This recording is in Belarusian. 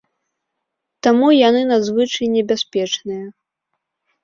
Таму яны надзвычай небяспечныя.